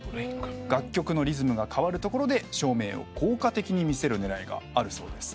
楽曲のリズムが変わるところで照明を効果的に見せる狙いがあるそうです。